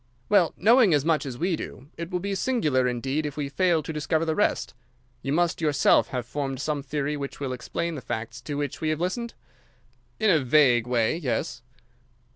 "Well, knowing as much as we do, it will be singular indeed if we fail to discover the rest. You must yourself have formed some theory which will explain the facts to which we have listened." "In a vague way, yes."